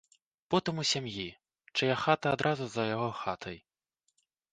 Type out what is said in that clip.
Потым у сям'і, чыя хата адразу за яго хатай.